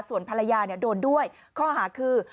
ส่วนภรรยาเนี้ยโดนด้วยข้ออาหารคือ